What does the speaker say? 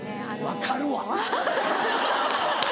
分かるわ。